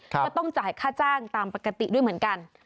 ก็ต้องจ่ายค่าจ้างตามปกติด้วยเหมือนกัน